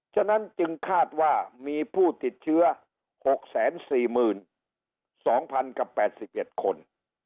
ฉะนั้นจึงคาดว่ามีผู้ติดเชื้อ๖๔๒๐๐๐กับ๘๑คน